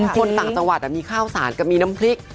จริงมีข้าวสานกับมีน้ำพริก